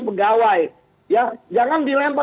pegawai ya jangan dilempar